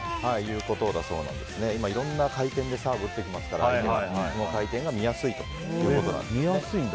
今、いろんな回転でサーブ打ってきますからその回転が見やすいということなんです。